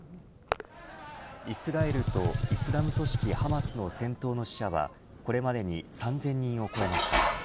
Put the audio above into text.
イスラエルとイスラム組織ハマスの戦闘の死者はこれまでに３０００人を超えました。